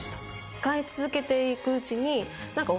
使い続けていくうちに。